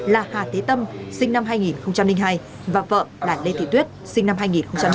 là hà tế tâm sinh năm hai nghìn hai và vợ là lê thị tuyết sinh năm hai nghìn ba